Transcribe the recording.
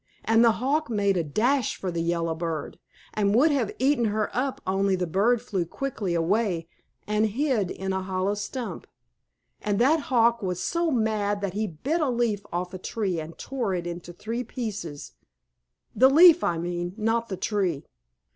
And the hawk made a dash for the yellow bird, and would have eaten her up only the bird flew quickly away and hid in a hollow stump, and that hawk was so mad that he bit a leaf off a tree and tore it into three pieces the leaf, I mean, not the tree.